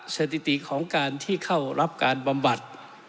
สถิติของการที่เข้ารับการบำบัด